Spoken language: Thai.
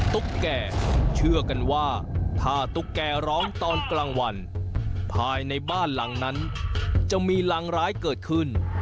ตุ๊กแก่เชื่อกันว่าถ้าตุ๊กแกร้องตอนกลางวันภายในบ้านหลังนั้นจะมีรังร้ายเกิดขึ้น